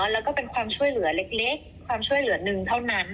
แล้วก็เป็นความช่วยเหลือเล็กความช่วยเหลือหนึ่งเท่านั้น